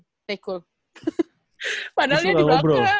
padahal dia di belakang